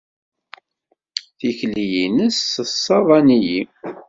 Tikli-nnes tessaḍan-iyi.